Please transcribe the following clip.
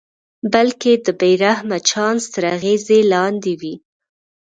بلکې د بې رحمه چانس تر اغېز لاندې وي.